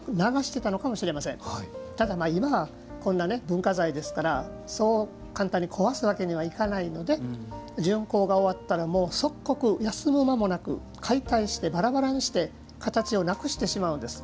こんな文化財ですからそう簡単に壊すわけにはいかないので巡行が終わったら即刻休む間もなく解体して、バラバラにして形をなくしてしまうんです。